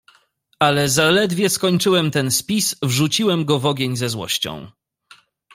"Ale zaledwie skończyłem ten spis, wrzuciłem go w ogień ze złością."